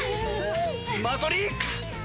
マトリックス！